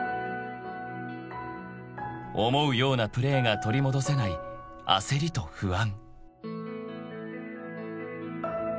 ［思うようなプレーが取り戻せない焦りと不安］